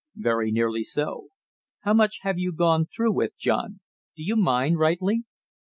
"' "Very nearly so." "How much have you gone through with, John, do you mind rightly?"